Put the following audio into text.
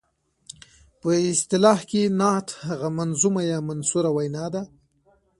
په اصطلاح کې نعت هغه منظومه یا منثوره وینا ده.